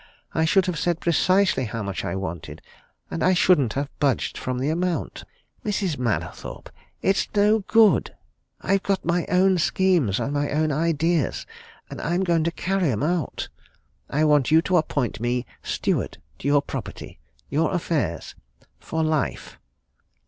I should have said precisely how much I wanted and I shouldn't have budged from the amount. Mrs. Mallathorpe! it's no good. I've got my own schemes, and my own ideas and I'm going to carry 'em out. I want you to appoint me steward to your property, your affairs, for life."